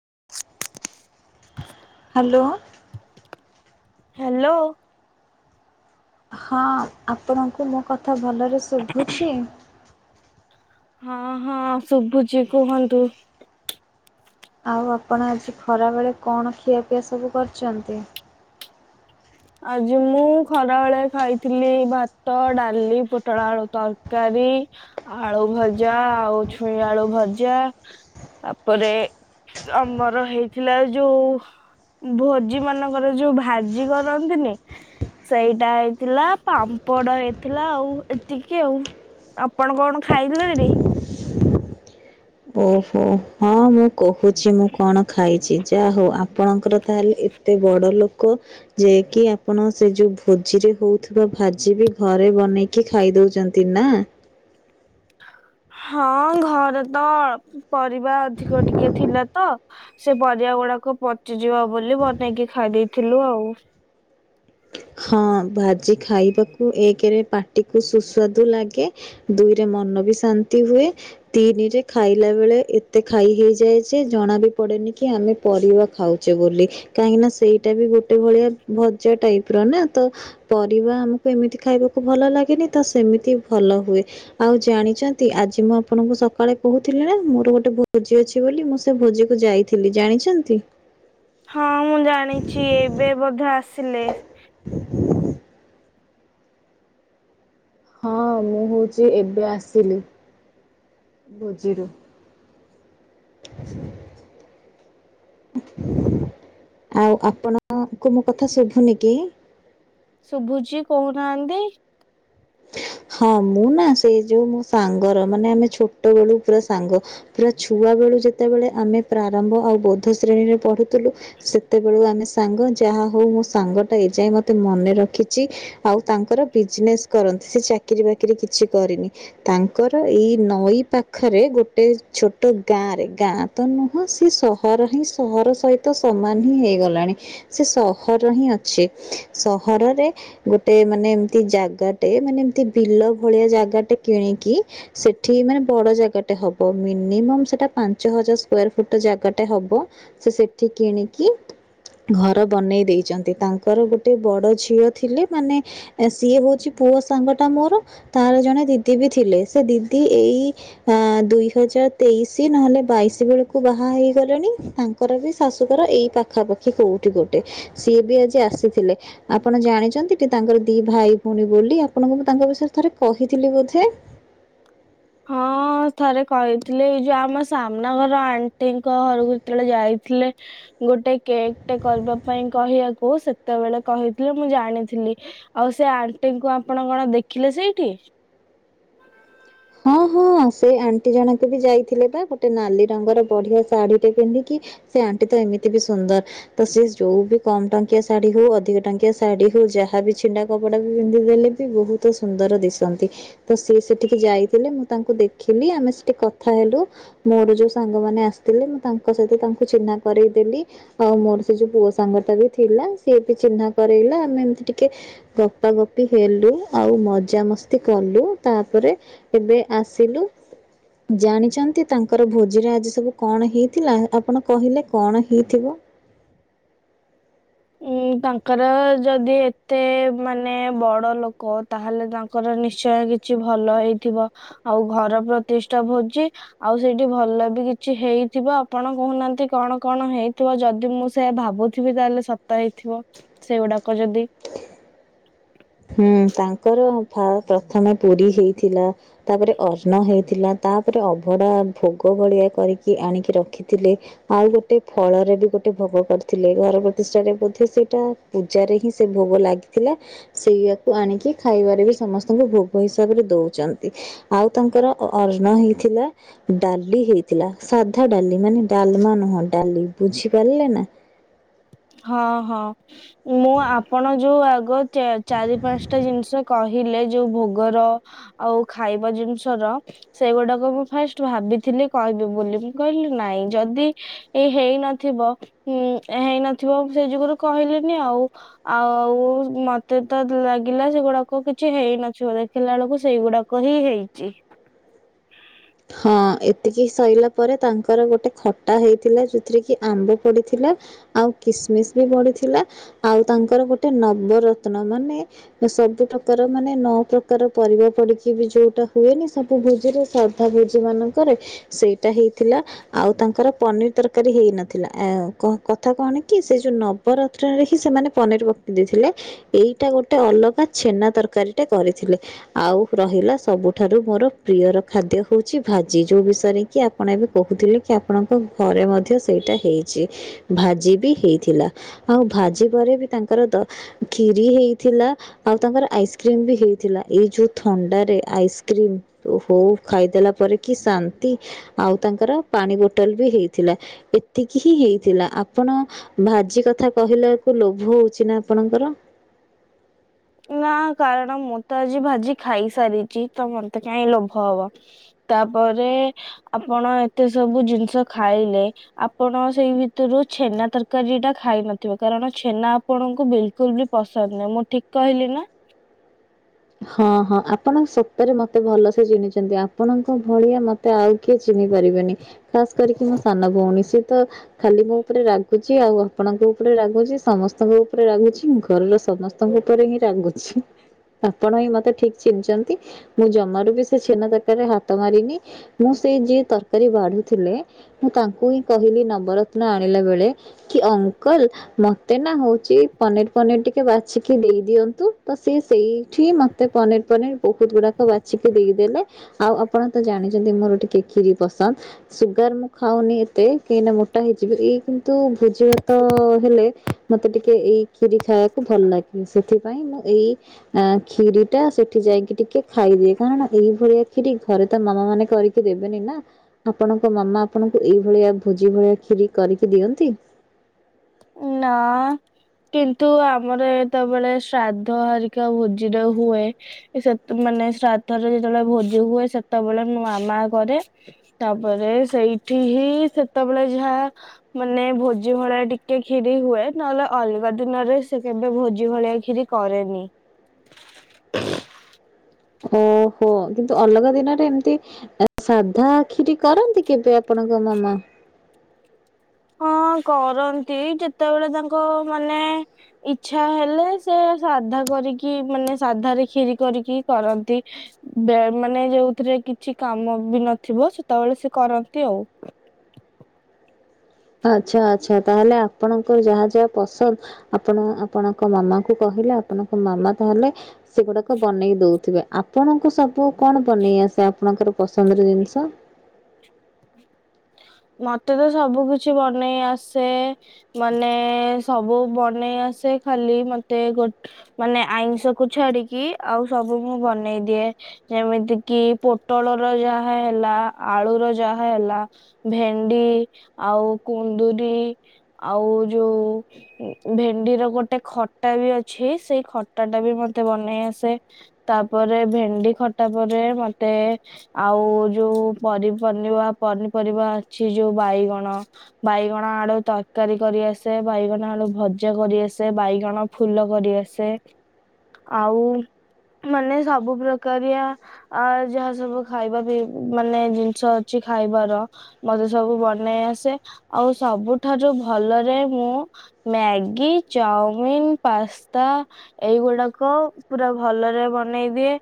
[unintelligible] Hello. Hello. ହଁ ଆପଣଙ୍କୁ ମୋ କଥା ଭଲରେ ଶୁଭୁଛି। ହଁ ହଁ ଶୁଭୁଛି କୁହନ୍ତୁ। ଆଉ ଆପଣ ଆଜି ଖରା ବେଳେ କଣ ଖିଆ ପିଆ ସବୁ କରିଛନ୍ତି? ଆଜି ମୁଁ ଖରା ବେଳେ ଖାଇଥିଲି ଭାତ ଡାଲି ପୋଟଳ ଆଳୁ ତରକାରୀ। ଆଳୁ ଭଜା ଆଉ ଛୁଇଁ ଆଳୁ ଭଜା ତାପରେ ଆମର ହେଇଥିଲା ଯୋଉ ଭୋଜି ମାନଙ୍କର ଯୋଉ ଭାଜି କର କରନ୍ତିନି ସେଇଟା ହେଇଥିଲା ପାମ୍ପଡ ହେଇଥିଲା ଆଉ ଏତିକି ଆଉ। ଆପଣ କଣ ଖାଇଲେଣି? ଓହୋ ହଁ ମୁଁ କହୁଛି ମୁଁ କଣ ଖାଇଛି। ଯା ହଉ ଆପଣଙ୍କର ତାହେଲେ ଏତେ ବଡ ଲୋକ ଯ କି ଆପଣ ସେ ଯୋଉ ଭୋଜିର ହଉଥିବା ଭାଜି ବି ଘରେ ବନେଇକି ଖାଇ ଦଉଛନ୍ତି ନାଁ। ହଁ ଘରେ ତ ପରିବା ଅଧିକ ଟିକେ ଥିଲା ତ, ସେ ପରିବା ଗୁଡାକ ପଚିଯିବ ବୋଲି ବନେଇକି ଖାଇ ଦେଇେଇଥିଲୁ ଆଉ। ହଁ ଭାଜି ଖାଇବାକୁ ଏକରେ ପାଟିକୁ ସୁସ୍ୱାଦୁ ଲାଗେ ଦୁଇରେ ମନ ବି ଶାନ୍ତି ହୁଏ, ତିନିରେ ଖାଇଲା ବେଳେ ଏତେ ଖାଇ ହେଇଯାଏ ଜଣା ବି ପଡେ ନି ଆମେ ପରିବା ଖାଉଛେ ବୋଲି କାହିଁକିନା ସେଇଟା ବି ଗୋଟେ ଭଳିଆ ଭଜା ଟାଇପ୍ ନା ତ ପରିବା ଆମକୁ ଏମିତି ଖାଇବାକୁ ଭଲ ଲାଗେନି ତ ସେମିତି ଭଲ ହୁଏ ଆଉ ଜାଣିଛନ୍ତି ଆଜି ମୁଁ ଆପଣଙ୍କୁ ସକାଳେ କହୁଥିଲି ନା ମୋର ଗୋଟେ ଭୋଜି ଅଛି ବୋଲି ମୁଁ ସେ ଭୋଜି କୁ ଯାଇଥିଲି ଜାଣିଛନ୍ତି? ହଁ ମୁଁ ଜାଣିଛି ଏବେ ବୋଧ ଆସିଲେ। ହଁ ମୁଁ ହଉଛି ଏବେ ଆସିଲି। ଭୋଜିରୁ [inaudible] ଆଉ ଆପଣଙ୍କୁ ମୋ କଥା ଶୁଭୁନି କି? ଶୁଭୁଚି କହୁନାହାନ୍ତି। ହଁ ମୁଁ ନା ସେ ଯୋଉ ମୋ ସାଙ୍ଗର ମାନେ ଆମେ ଛୋଟ ବେଳୁ ପୁରା ସାଙ୍ଗ ପୁରା ଛୁଆ ବେଳୁ ଯେତେବେଳେ ଆମେ ପ୍ରାରମ୍ଭ ଆଉ ବୌଦ୍ଧ ଶ୍ରେଣୀରେ ପଢୁଥିଲୁ ସେତେବେଳୁ ଆମେ ସାଙ୍ଗ ଯହା ହେଉ ମୋ ସାଙ୍ଗଟା ଏ ଯାଏଁ ମତେ ମନେ ରଖିଛି ଆଉ ତାଙ୍କର ବିଜ୍ନେସ କରନ୍ତି ସେ ଚାକିରି ବାକିରି କିଛି କରିନି ତାଙ୍କର ଏଇ ନଈ ପାଖରେ ଗୋଟେ ଛୋଟ ଗାଁ ରେ ଗାଁ ତ ନୁହଁ ସିଏ ସହର ହିଁ ସହର ସହିତ ସମାନ ହିଁ ହେଇଗଲାଣି। ସେ ସହର ହିଁ ଅଛି। ସହରରେ ଗୋଟେ ମାନେ ଏମତି ଜାଗା ଏ ମାନେ ଏମତି ବିଲ ଭଳିଆ ଜାଗାଟେ କିଣିକି ସେଠି ମାନେ ବଡ ଜାଗାଟେ ହବ ମି ମିନିମମ୍ ସେଟା ପାଞ୍ଚ ହଜାର ସ୍କ୍ୱାରପୁଟର ଜାଗାଟା ହବ ସେ ସେଠି କିଣିକି, ଘର ବନେଇ ଦେଇଛନ୍ତି ତାଙ୍କର ଗୋଟେ ବଡ ଝିଅ ଥିଲେ ମାନେ ସିଏ ହଉଛି ପୁଅ ସାଙ୍ଗ ଟା ମୋର ତାର ଜଣେ ଦିଦି ବି ଥିଲେ। ସେ ଦିଦି ଏଇ ଆ ଦୁଇ ହଜାର ତେଇଶି ନହେଲେ ବାଇଶି ବେଳ କୁ ବାହା ହେଇଗଲେଣି, ତାଙ୍କ ର ବି ଶାଶୁଘର ଏଇ ପାଖାପାଖି କୋଉଠି ଗୋଟେ ସିଏ ବି ଆଜି ଆସିଥିଲେ ଆପଣ ଜାଣିଚନ୍ତି। ତାଙ୍କର ଦି ଭାଇ ଭଉଣୀ ବୋଲି ଆପଣଙ୍କୁ ମୁଁ ତାଙ୍କ ବିଷୟରେ ଥରେ କହିଥିଲି ବୋଧେ! ହଁ ଥରେ କହିଥିଲେ ଏଇ ଯୋଉ ଆମ ସାମ୍ନା ଘର ଆଣ୍ଟିଙ୍କ ଘରକୁ ଯେତେବେଳେ ଯାଇ। ଥିଲେ ଗୋଟେ କେକ୍ ଟେ କରିବା ପାଇଁ କହିବାକୁ। କୁ ସେତେବେଳେ କହିଥିଲେ ମୁଁ ଜାଣିଥିଲି, ଆଉ ସେ ଆଣ୍ଟିଙ୍କୁ ଆପଣ କଣ ଦେଖିଲେ ସେଇଠି? [inaudible] [unintelligible] ହଁ ହଁ ସେ ଆଣ୍ଟି ଜଣକ ବି ଯାଇଥିଲେ ପା ଗୋଟେ ନାଲି ରଙ୍ଗର ବଢିଆ ଶାଢୀଟେ ପିନ୍ଧିକି। ସେ ଆଣ୍ଟି ତ ଏମିତି ବି ସୁନ୍ଦର ତ ସେ ଯୋଉ ବି କମ ଟଙ୍କିଆ ଶାଢୀ ହଉ ଅଧିକ ଟଙ୍କିଆ ଶାଢୀ ହଉ। ଯାହା ବିି ଛିଣ୍ଡା କପଡା ବି ପିନ୍ଧି ଦେଲେ ବି ବହୁତ ସୁନ୍ଦର ଦିଶନ୍ତି ତ ସେ ସେଠିକି ଯାଇ ଥିଲେ ମୁଁ ତାଙ୍କୁ ଦେଖିଲି ଆମେ ସେଠି କଥା ହେଲୁ ମୋର ଯୋଉ ସାଙ୍ଗମାନେ ଆସିଥିଲେ ମୁଁ ତାଙ୍କ ସହିତ ତା ଙ୍କୁ ଚିହ୍ନା କରେଇଦେଲି ଆଉ ମୋର ସେ ଯୋଉ ପୁଅ ସାଙ୍ଗଟା ବି ଥିଲା ସିଏ ବି ଚିହ୍ନା କରାଇଲା ଆମେ ଟିକେ ଗପା ଗପି ହେଲୁ ଆଉ ମଜା ମସ୍ତି କଲୁ ତାପରେ ଏବେ ଆସିଲୁ। ଜାଣିଛନ୍ତି ତାଙ୍କର ଭୋଜିରେ ଆଜି ସବୁ କଣ ହେଇଥିଲା ଆପଣ କହିଲେ କଣ ହେଇଥିବ? [inaudible] ଉଁ ତାଙ୍କର ଯଦି ଏତେ ମାନେ ବଡ଼ ଲୋକ ତାହେଲେ ତାଙ୍କର ନିଶ୍ଚୟ କିଛି କିଛି ଭଲ ହେଇଥିବ ଆଉ ଘର ପ୍ରତିଷ୍ଠା ଭୋଜି ଆଉ ସେଇଠି ଭଲ ବି କିଛି ହେଇ ହେଇଥିବ ଆପଣ କହୁନାହାନ୍ତି କଣ କଣ ହେଇଥିବ ଯଦି ମୁଁ ସେଇଆ ଭାବୁଥିବି ତାହେଲେ ସତ୍ ତ ହେଇଥିବ ସେଗୁଡାକ ଯଦି। ହୁଁ ତାଙ୍କର ଫା ପ୍ରଥମେ ପୁରୀ ହେଇଥିଲା ତାପରେ ଅର୍ଣ୍ଣ ହେଇଥିଲା। ତା ତାପରେ ଅଭଡା ଭୋଗ ଭଳିଆ କରିକି ଆଣିକି ରଖିଥିଲେ ଆଉ ଗୋଟେ ଫଳରେ ବି ଗୋଟେ ଭୋଗ କରିଥିଲେ ଘର ପ୍ରତିଷ୍ଠରେ ମଧ୍ୟ ସେଇଟା ପୂଜାରେ ହିଁ ସେ ଭୋଗ ଲାଗିଥିଲା। ସେଇଆକୁ ଆଣିକି ଖାଇବାରେ ବି ସମସ୍ତଙ୍କୁ ଭୋଗ ହିସାବରେ ଦଉଛନ୍ତି। ଆଉ ତାଙ୍କର ଇନ ହେଇଥିଲା ଡାଲି ହେଇଥିଲା। ସାଧା ଡାଲି ମାନେ ଡାଲମା ନୁହଁ ଡାଲି ବୁଝିପାରିଲେ ନା? ହଁ ହଁ ମୁଁ ଆପଣ ଯୋଉ ଆଗ ଚାରି ପାଞ୍ଚଟା ଜିନିଷ କହିଲେ ଯୋଉ ଭୋଗର ଆଉ ଖାଇବା ଜିନିଷ ର। ସେଗୁଡାକୁ ମୁ ଫାର୍ଷ୍ଟ ଭାବିଥିଲି କହିବି ବୋଲି ମୁ କହିଲି ନାଇ ଯଦି ଏ ହେ ହେଇ ନଥିବ ହୁଁ ହେଇ ନ ଥିବ ମୁ ସେଇଯୋଗୁରୁ କହିଲିିନି ଆଉ ଆଉ ମତେ ତ ଲାଗିଲା ସେଗୁଡ଼ାକ କି କିଛି ହେଇନଥିବ ଦେଖିଲା ବେଳକୁ ସେଇଗୁଡାକ ହିଁ ହେଇଚି। [inaudible] ହଁ ଏତିକି ସରିଲା ପରେ ତାଙ୍କର ଗୋଟେ ଖଟା ହେଇଥିଲା ଯୋଉଥିରେ କି ଆମ୍ବ ପଡିଥିଲା। ଆଉ କିସମିସ ବି ପଡ଼ିଥିଲା ଆଉ ତାଙ୍କର ଗୋଟେ ନବରତ୍ନ ମାନେ। ସବୁ ପ୍ରକାର ମାନେ ନଅ ପ୍ରକାର ପରିବା ପଡ଼ିକି ବି ଯଉଟା ହୁଏନି ସବୁ ଭୋଜିରେ ସ ଭୋଜି ମାନଙ୍କରେ ସେଇଟା ହେଇଥିଲା ଆଉ ତାଙ୍କର ପନିର୍ ତରକାରୀ ହେଇନଥିଲା ଆ କଥା କଣ କି ସେ ଯୋଉ ନବରତ୍ନରେ ହିଁ ସେମାନେ ପନିର ପକେଇ ଦେଇଥିଲେ। ଏଇଟା ଗୋଟେ ଅଲଗା ଛେନା ତର ତରକାରୀଟେ କରିଥିଲେ ଆଉ ରହିଲା ସବୁଠାରୁ ମୋର ପ୍ରିୟର ଖାଦ୍ୟ। ହେଉଛି ଭାଜି ଯୋଉ ବିଷୟରେ କି ଆପଣ ଏବେ କହୁଥିଲେ କି ଆପଣଙ୍କ ଘରେ ମଧ୍ୟ ସେଇଟା ହେଇଚି। ଭାଜି ବି ହେଇଥିଲା ଆଉ ଭାଜି ପରେ ବି ତାଙ୍କର ଖିରି ହେଇଥିଲା। ଆଉ ତାଙ୍କର ଆଇସ୍କ୍ରିମ ବି ହେଇଥିଲା ଏଇ ଯୋଉ ଥଣ୍ଡାରେ ଆଇସ୍କ୍ରିମ ଓହୋ। ଖାଇଦେଲା ପରେ କି ଶାନ୍ତି ଆଉ ତାଙ୍କର ପାଣି ବୋଟଲ ବି ହେଇଥିଲା। ଏତିକି ହିଁ ହେଇଥିଲା ଆପଣ ଭାଜି କଥା କହିଲା ବାକୁ ଲୋଭ ହଉଛି ନା ଆପଣଙ୍କ [unintelligible] ନା କାରଣ ମୁଁ ତ ଆଜି ଭାଜି ଖାଇସାରିଚି ତ ମତେ କାଇଁ ଲୋଭ ହବ। ତାପରେ ଆପଣ ଏତେ ସବୁ ଜିନିଷ ଖାଇଲେ ଆପଣ ସେଇ ଭିତରୁ ତ ଛେନା ତରକାରୀ ଟା ଖାଇ ନଥିବ କାରଣ ଛେନା ଆପଣଙ୍କୁ ବିଲକୁଲ ବି ପସନ୍ଦ ନାହିଁ ମୁଁ ଠିକ୍ କହିଲି ନା। ହଁ ହଁ ଆପଣଙ୍କ ସତରେ ମତେ ଭଲ ସେ ଚିିହ୍ନିଚନ୍ତି ଆପଣଙ୍କ ଭଳିଆ ମତେ ଆଉ କିଏ ଚିହ୍ନ ପାରିବେନି ଖାସ୍ କରିକି ମୋ ସାନ ଭଉଣୀ ସିଏ ତ ଖାଲି ମୋ ଉପରେ ରାଗୁଛି ଆଉ ଆପଣଙ୍କ ଉପରେ ରାୁଛି ସମସ୍ତଙ୍କ ଉପରେ ରାଗୁଛି ଘରର ସମସ୍ତଙ୍କ ଉପରେ ହିଁ ରାଗୁଛି। ଆପଣ ହିଁ ମତେ ଠିକ୍ ଚିନିଚନ୍ତି ମୁଁ ଜମାରୁ ବି ସେ ଛେନା ତରକାର ହାତ ମାରିନି ମୁଁ ସେଇ ଯିଏ ତରକାରୀ ବାଡ଼ି ଥିଲେ ମୁଁ ତାଙ୍କୁ ହିଁ କହିଲି ନବରତ୍ନ ଆଣିଲା ବେଳେ କି ଅଙ୍କଲ ମତେ ନା ହଉଛି ପନିରି ପନିରି ଟିକେ ବାଛିକି ଦେଇ ଦିଅନ୍ତୁ ତ ସିଏ ସେଇ ଏଠି ମତେ ପନିରର ପନିର୍ ବହୁତୁ ଗୁଡ଼ାକ ବାଛିିକି ଦେଇଦେଲେ ଆଉ ଆପଣ ତ ଜାଣିଛନ୍ତି ମୋର ଟିକେ କ୍ଷିରି ପସନ୍ଦ ସୁଗାର ମୁଁ ଖାଉନି ଏତେ କହିଁି ମୋଟା ହେଇଯିବ ଏଇ କିନ୍ତୁ ଭୋଜିଭାତ ହେଲେ ମତେ ଟିକେ ଏଇ କ୍ଷିରି ଖାଇବାକୁ ଭଲ ଲାଗେ ସେଥିପାଇଁ ମୁଁ ଏଇ ଆ କ୍ଷୀରି ଟା ସେଠି ଯାଇକି ଟିକେ ଖାଇଦିଏ କାରଣ ଏଇ ଭଳିଆ କ୍ଷୀରି ଘରେ ତା ମାମା ମାନେ କରିକି ଦେ ଦେବେନିନା ଆପଣଙ୍କ ମାମା ଆପଣଙ୍କୁ ଏଇଭଳିଆ ଭୋଜି ଭଳିଆ କ୍ଷିରି କରିକି ଦିଅନ୍ତି। [inaudible] ନା। କିନ୍ତୁ ଆମର ଯେତେବେଳେ ଶ୍ରାଦ୍ଧ ହରିକା ଭୋଜିରେ ହୁଏ ସେତେ ମା ମାନେ ଶ୍ରାଦ୍ଧ ରେ ଯେତେବେଳେ ଭୋଜି ହୁଏ ସେତେବେଳେ ମୁଁ ମାମା କରେ ତାପରେ ସେଇଠି ଠ ହିଁ ସେତେବେଳେ ଯାହା ମାନେ ଭୋଜି ଭଳି ଟି ଟେ କ୍ଷିରି ହୁଏ ନହେଲେ ଅଲଗା ଦିନରେ ସେ କେବେ ଭୋଜି ଭଳିଆ କ୍ଷିରି କରେନି। [inaudible] ଓହୋ କିନ୍ତୁ ଅଲଗା ଦିନରେ ଏମତି ସାଧା ଆଖିରି କରନ୍ତି କେବେ ଆପଣଙ୍କ ମାମା। [inaudible] [inaudible] ହଁ କରନ୍ତି ଯେତେବେଳେ ତାଙ୍କ ମାନେ ଇଛା ହେଲେ ସେ ଶାଧା କରିକି ମାନେ ସାଧ କ୍ଷିରି କରିକି କରନ୍ତି ବେ ମାନେ ଯୋଉଥିରେ କିଛି କା କାମ ବି ନଥିବ ସେତେବେଳେ ସେ କରନ୍ତି ଆଉ। [inaudible] ଆଛା, ଆଛା, ତାହେଲେ ଆପଣଙ୍କ ଯାହା ଯାହା ପସନ୍ଦ ଆପଣ, ଆପଣଙ୍କ ମାମାଙ୍କୁ କହ କହିଲେ ଆପଣଙ୍କ ମାମା ତାହେଲେ ସେଗୁଡାକ ବନେଇ ଦଉଥିବେ, ଆପଣଙ୍କୁ ସବୁ କଣ ବନେଇ ଆସ ସେ ଆପଣଙ୍କର ପସନ୍ଦର ଜିନିଷ ମତେ ତ ସବୁ କିଛି ବନେଇ ଆସେ, ମାନେ ସବୁ ବନେଇ ଆସ ସେ ଖାଲି ମତେ ଗୋ ମାନେ ଆଇଁଷ କୁ ଛାଡିକି ଆଉ ସବୁ ମୁଁ ବନେଇ ଦିଏ। ଯେମିତି କିି ପୋଟଳ ର ଯାହା ହେଲା, ଆଳୁର ର ଯାହା ହେଲା ଭେଣ୍ଡି ଆଉ କୁନ୍ଦରି ଆଉ ଯୋଉ ଭେ ଣ୍ଡିର ଗୋଟେ ଖଟା ବି ଅଛି, ସେଇ ଖଟା ଟା ବି ମତେ ବନେଇ ଆସେ, ତାପରେ ଭେଣ୍ଡି ଖଟା ପରେ ମତେ ଆଉ ଯୋଉ ପନିପରିବା, ପନିପରିବା ଅଛି ଯୋଉ ବାଇଗଣ, ବାଇଗଣ ଆଳୁ ତରକାରୀ କରିଆସେ, ବାଇଗଣ ଆଳୁ ଭଜା କରିଆସେ। ଆସେ ବାଇଗଣ ଫୁଲ କରିଆସେ। ଆଉ ମାନେ -ସବୁ ପ୍ରକାରିଆ ଅ ଯାହା ସବୁ ଖାଇବା ପିଇ ମାନେ ଜିନିଷ ଅଛି ଖାଇବାର ମତେ ସବୁ ବନେଇ ଆସେ ଆଉ ସବୁଠାରୁ ଭଲରେ ମୁଁ ମ୍ୟାଗି ଚାଉମିିନ, ପାସ୍ତା, ଏଇଗୁଡାକ ପୁରା ଭଲରେ ବନେଇ ଦିଏ।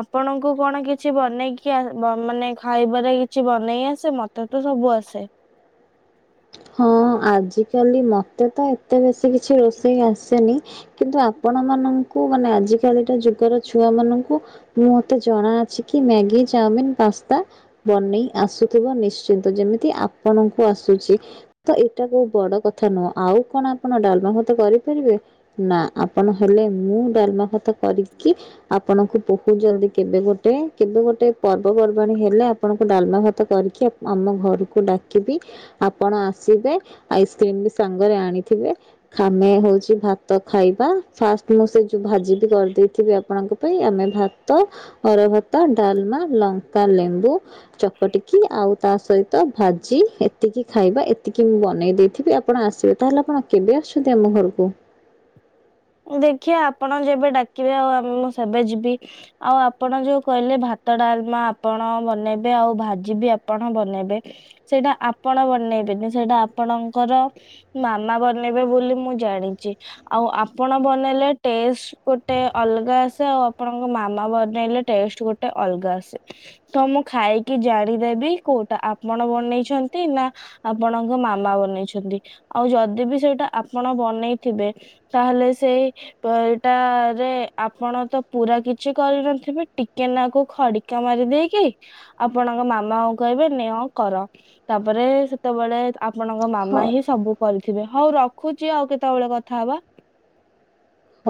ଆପଣଙ୍କୁ କଣ କିଛି ବନେଇକି, ମାନେ ଖାଇବାରେ କିଛି ବନେଇ ଆସେ? ମତେ ମତେତ ସବୁ ଆସେ। ହଁ ଆଜିକାଲି ମତେ ତ ଏତେ ବେଶୀ କିଛି ରୋଷେଇ ଆସେନି। କିନ୍ତୁ ଆପଣ ମାନଙ୍କୁ ଙ୍କୁ ମାନେ ଆଜି କାଲି ଟା ଯୁଗର ଛୁଆ ମାନଙ୍କୁ, ମୁଁ ମତେ ଜଣାଅଛି କି ମ୍ୟାଗି, ଚାଉମିନ ପାସ୍ତା ବନେଇ ଆସୁଥିବ ନିଶ୍ଚିନ୍ତ, ଯେମିତି ଆପଣଙ୍କୁ ଆସୁଛି। ତ ଏଇଟା କୋଉ ବଡ କଥା ନୁହଁ! ଆଉ କଣ ଆପଣ ଡାଲମା ଭାତ କରିପାରିବେ ନା ଆପଣ ହେଲେ ମୁଁ ଡାଲମା ଭାତ କରିକି, ଆପଣଙ୍କୁ ବହୁତ ଜଲଦି କେବେ ଗୋଟେ, କେବେ ଗୋଟେ କ ପର୍ବପର୍ବାଣୀ ହେଲେ ଆପଣଙ୍କୁ ଡାଲମା ଭାତ କରିକି, ଆ ଆମ ଘରକୁ ଡାକିବି, ଆପଣ ଆ ସିବେ ଆଇସ୍କ୍ରିମ ବି ସାଙ୍ଗରେ ଆଣିଥିବେ, ଆମେ ହଉଛି ଭାତ ଖାଇବା, ସାଆ ମୁ ସେ ଯୋଉ ଭାଜି ବି କରିଦେଇିବି ଆପଣଙ୍କ ପାଇଁ ଆମେ ଭାତ ଅରୁଆ ଭାତ, ଡାଲମା ଲଙ୍କା, ଲେମ୍ବୁ ଚକଟିକି ଆଉ ତା ସହିତ ଭାଜି ଏତିକି ଖାଇବା। ଏତି ଏତିକି ମୁଁ ବନେଇ ଦେଇଥିବି ଆପଣ ଆସିବେ। ତାହେଲେ ଆପଣ କେବେ ଆସଛନ୍ତି ଆମ ଘରକୁ? ଦେଖିବା ଆପଣ ଯେବେ ଡାକିବେ ଆଉଆ ମୁଁ ସେବେ ଯିବି। ଆଉ ଆପଣ ଯୋଉ କହିଲେ ଭ ଭାତ ଡାଲମା ଆପଣ ବନେଇବେ ଆଉ ଭାଜି ବି ଆପଣ ବନେଇବେ। ସେଇଟା ଆପଣ ବନେଇବେ କିନ୍ତୁ ସେଟା ଆପଣଙ୍କର ମାମା ବନେଇବେ ବୋଲି ମୁଁ ଜାଣିଛି, ଆଉ ଆ ଆପଣ ବନେଇଲେ ଟେଷ୍ଟ ଗୋଟେ ଅଲଗା ଆସେ। ଆଉ ଆପଣଙ୍କ ମାମା ବନେଇଲେ ଟେଷ୍ଟ ଗୋଟେ ଅଲଗା ଆସେ, ତ ମୁଁ ଖାଇକି ଜାଣିଦେବି କୋଉଟା ଆପଣ ବନେଇଛନ୍ତି, ନା ଆପଣଙ୍କ ମାମା ବନେଇଛନ୍ତି। ଆଉ ଯଦି ବି ସେଇଟା ଆପଣ ବନେଇଥିବେ ତାହେଲେ ସେଇ ଅ ଏଇଟାରେ ଆପଣ ତ ପୁରା କିଛି କରିନଥିବେ! ଟିକେ ନାକୁ ଖଡିକା ମାରି ଦେଇକି ଆପଣଙ୍କ ମାମାଙ୍କୁ କହିବେ ନିଅ କର! ତାପରେ ବେ ସେତେବେଳେ ଆପଣଙ୍କ ହଉ ମାମା ହିଁ ସବୁ କରିଥିବେ। ହଉ ରଖୁଛି ଆଉ କେତେବେଳେ କଥା ହବା। ହଉ